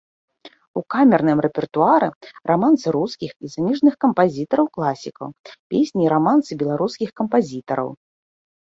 У камерным рэпертуары рамансы рускіх і замежных кампазітараў-класікаў, песні і рамансы беларускіх кампазітараў.